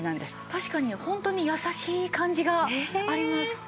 確かにホントに優しい感じがあります。